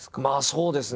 そうですね。